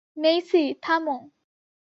মেইসি, থামো!